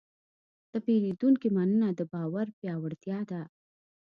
د پیرودونکي مننه د باور پیاوړتیا ده.